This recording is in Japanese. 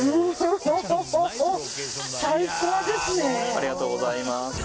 ありがとうございます。